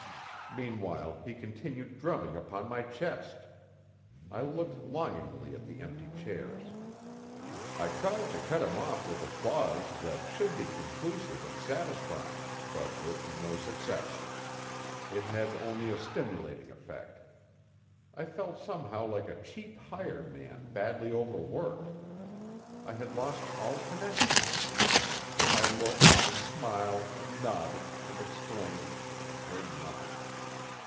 Meanwhile he continued drumming upon my chest. I looked longingly at the empty chairs. I tried to cut him off with applause that should be condusive and satisfying, but with no success. It had only a stimulating effect. I felt somehow like a cheap hired man badly overworked. I had lost all connection. I looked, and smiled, and nodded, and exclaimed, and heard nothing.